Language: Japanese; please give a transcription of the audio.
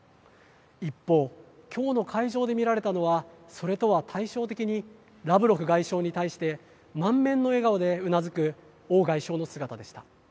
一方、今日の会場で見られたのはそれとは対照的にラブロフ外相に対して満面の笑顔でうなずく王外相の姿でした。